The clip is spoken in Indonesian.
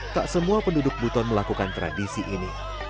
tak semua penduduk buton melakukan tradisi ini